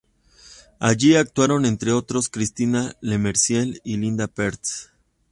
Allí actuaron entre otros, Cristina Lemercier y Linda Peretz.